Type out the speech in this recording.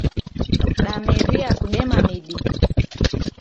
Damerie kudema midi.